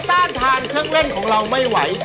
ต้านทานเครื่องเล่นของเราไม่ไหว